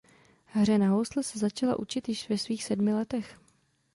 Hře na housle se začala učit již ve svých sedmi letech.